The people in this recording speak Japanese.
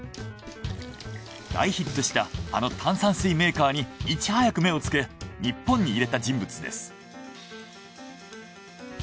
大ヒットしたあの炭酸水メーカーにいち早く目をつけ日本に入れた人物です。